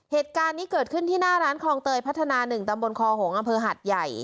เหตุการณ์นี้เกิดขึ้นที่หน้าร้านคลองเตยพัฒนา๑ตำบลคอหงษ์อำเภอหัดใหญ่